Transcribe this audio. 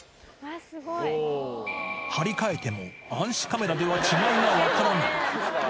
張り替えても、暗視カメラでは違いが分からない。